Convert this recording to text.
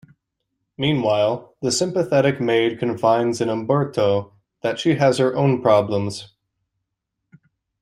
Meanwhile, the sympathetic maid confides in Umberto that she has her own problems.